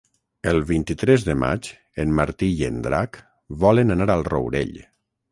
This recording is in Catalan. El vint-i-tres de maig en Martí i en Drac volen anar al Rourell.